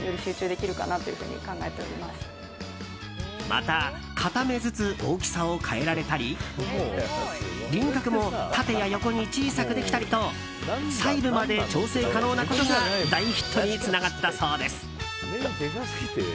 また、片目ずつ大きさを変えられたり輪郭も縦や横に小さくできたりと細部まで調整可能なことが大ヒットにつながったそうです。